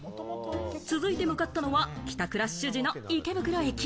続いて向かったのは帰宅ラッシュ時の池袋駅。